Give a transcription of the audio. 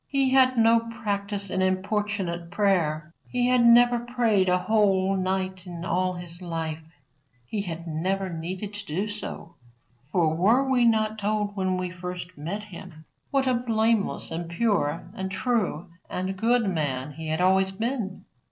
He had no practice in importunate prayer. He had never prayed a whole night all his life. He had never needed to do so. For were we not told when we first met him what a blameless and pure and true and good man he had always been?